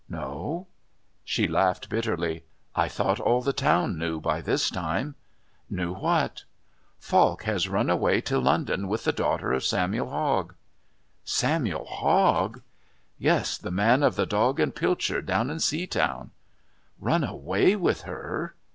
"No." She laughed bitterly. "I thought all the town knew by this time." "Knew what?" "Falk has run away to London with the daughter of Samuel Hogg." "Samuel Hogg?" "Yes, the man of the 'Dog and Pilchard' down in Seatown." "Run away with her?"